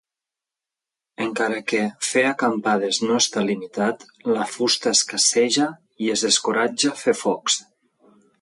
Encara que fer acampades no està limitat, la fusta escasseja i es descoratja fer focs.